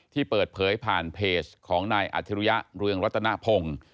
ที่เปิดเผยผ่านเพจของนายอัจฉริยะเรืองรัตนพงศ์